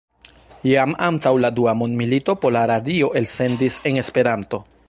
Jam antaŭ la dua mondmilito Pola Radio elsendis en Esperanto.